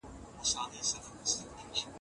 بزګر خپله مځکه په پوره مینه سره کري